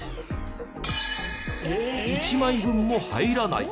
１枚分も入らない。